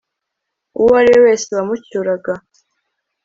uwo ari we wese wamucyuraga